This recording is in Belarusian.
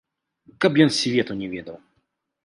Каб ён свету не ведаў!